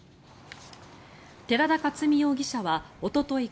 寺田克己容疑者はおととい